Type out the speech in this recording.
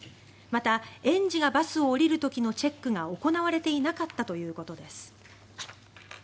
また、園児がバスを降りる時のチェックが行われていなかったということです。